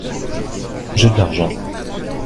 J’ai de l’argent.